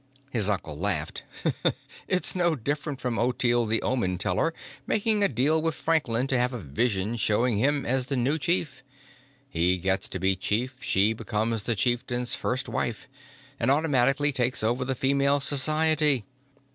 His uncle laughed. "It's no different from Ottilie the Omen Teller making a deal with Franklin to have a vision showing him as the new chief. He gets to be chief, she becomes the Chieftain's First Wife and automatically takes over the Female Society.